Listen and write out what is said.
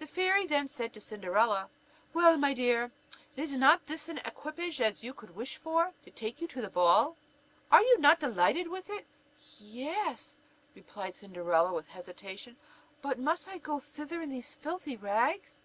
The fairy then said to Cinderella: "Well, my dear, is not this such an equipage as you could wish for to take you to the ball? Are you not delighted with it?" "Y e s," replied Cinderella with hesitation, "but must I go thither in these filthy rags?"